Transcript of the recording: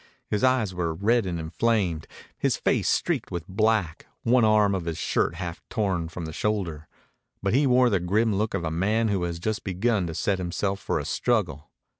His eyes were red and inflamed, his face streaked with black, one arm of his shirt half torn from the shoulder. But he wore the grim look of a man who has just begun to set himself for a struggle.